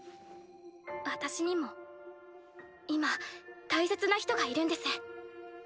私にも今大切な人がいるんです。